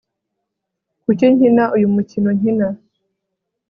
kuki nkina uyu mukino nkina